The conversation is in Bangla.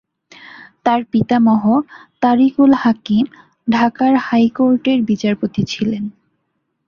তার পিতামহ তারিক উল হাকিম, ঢাকার হাইকোর্টের বিচারপতি ছিলেন।